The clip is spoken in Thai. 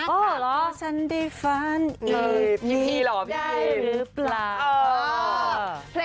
ก็ฉันได้ฝันอีกได้หรือเปล่า